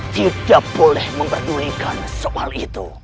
tidak boleh memperdulikan soal itu